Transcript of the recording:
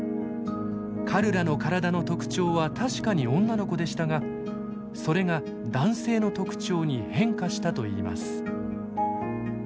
カルラの体の特徴は確かに女の子でしたがそれが男性の特徴に変化したといいます。